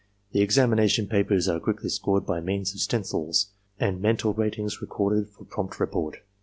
The examination papers are quickly scored by means of stencils, and mental ratings recorded for prompt report.